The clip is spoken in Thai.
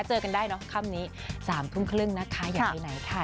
เจอกันได้เนอะค่ำนี้๓๓๐นอย่างที่ไหนค่ะ